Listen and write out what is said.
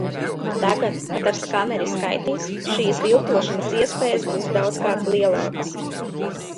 Tagad, kad ar skaneri skaitīs, šīs viltošanas iespējas būs daudzkārt lielākas.